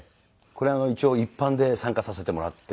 これも一般で参加させてもらって。